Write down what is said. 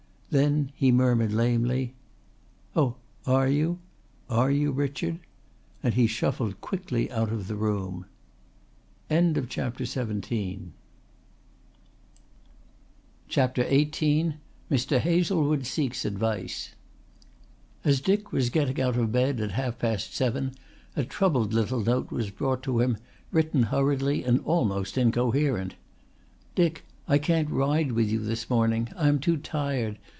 Then he murmured lamely: "Oh, are you? Are you, Richard?" and he shuffled quickly out of the room. CHAPTER XVIII MR. HAZLEWOOD SEEKS ADVICE As Dick was getting out of bed at half past seven a troubled little note was brought to him written hurriedly and almost incoherent. "Dick, I can't ride with you this morning. I am too tired